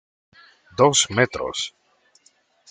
Dos metros.